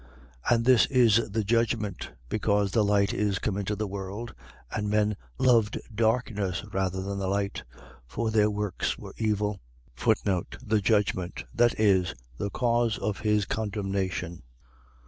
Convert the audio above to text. And this is the judgment: Because the light is come into the world and men loved darkness rather than the light: for their works were evil. The judgment. . .That is, the cause of his comdemnation.